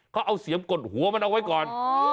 เขาเอาเสียมกดหัวมันเอาไว้ก่อน